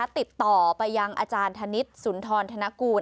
ติดต่อไปยังอาจารย์ธนิษฐ์สุนทรธนกูล